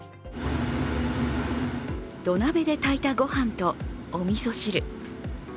土鍋で炊いたご飯とおみそ汁。